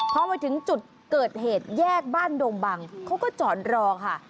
พอมาถึงจุดเกิดเหตุแยกบ้านดงบังเขาก็จอดรอค่ะ